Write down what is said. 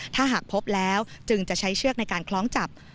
ถ้าหากพบแล้วจึงจะใช้เชือกในการคล้องจับ